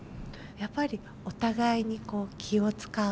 やっぱりお互いに気を遣う。